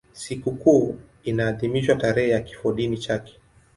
Sikukuu inaadhimishwa tarehe ya kifodini chake.